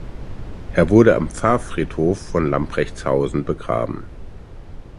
Er wurde am Pfarrfriedhof von Lamprechtshausen begraben.